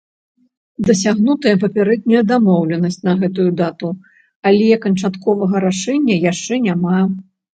Дасягнутая папярэдняя дамоўленасць на гэтую дату, але канчатковага рашэння яшчэ няма.